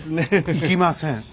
行きません。